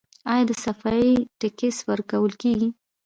آیا د صفايي ټکس ورکول کیږي؟